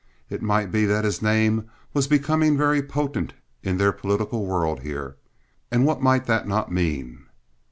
It might be that his name was becoming very potent in their political world here. And what might that not mean!